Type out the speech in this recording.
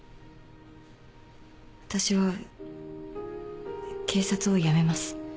私は警察を辞めます。